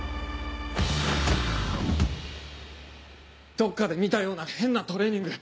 どっかで見たような変なトレーニング。